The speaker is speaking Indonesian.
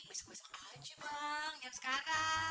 besok besok aja bang nyari sekarang